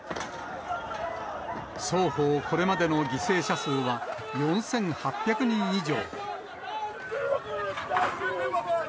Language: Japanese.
双方、これまでの犠牲者数は４８００人以上。